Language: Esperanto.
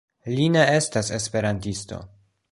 Li ne estas esperantisto.